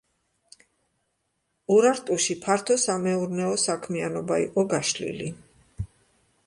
ურარტუში ფართო სამეურნეო საქმიანობა იყო გაშლილი.